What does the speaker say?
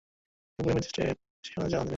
Deputy magistrate সেশনে চালান দিলেন।